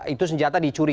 itu senjata dicuri